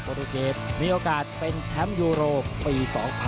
ตูเกตมีโอกาสเป็นแชมป์ยูโรปี๒๐๑๖